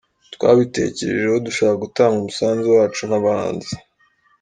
Twabitekerejeho dushaka gutanga umusanzu wacu nk’abahanzi.